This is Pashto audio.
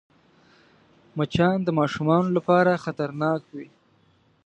مچان د ماشومانو لپاره خطرناک وي